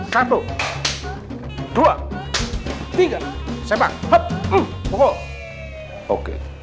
satu dua tiga sepak pukul oke